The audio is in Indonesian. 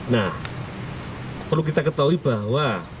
nah perlu kita ketahui bahwa